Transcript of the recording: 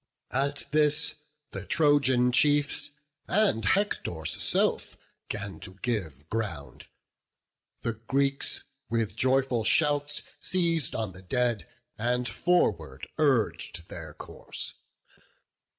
At this the Trojan chiefs, and Hector's self, 'Gan to give ground: the Greeks with joyful shouts Seiz'd on the dead, and forward urg'd their course.